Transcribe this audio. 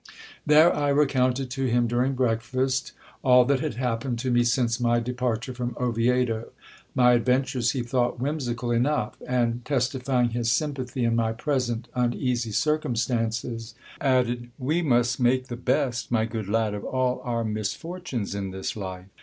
There I recounted to him, during breakfast, all that had happened to me since my departure from Oviedo. My adventures he thought whimsical enough ; and testifying his sympathy in my present uneasy circumstances, added — We must make the best, my good lad, of all our misfortunes in this life.